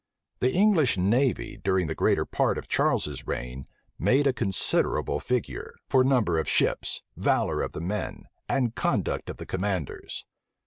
The English navy, during the greater part of Charles's reign, made a considerable figure, for number of ships, valor of the men, and conduct of the commanders.